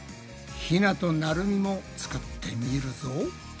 ひなとなるみも作ってみるぞ！